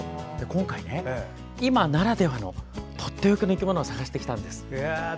今回、今ならではのとっておきの生き物を探してきたんです。